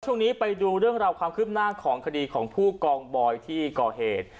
ช่วงนี้ไปดูเรื่องราวความคืบหน้าของคดีของผู้กองบอยที่ก่อเหตุ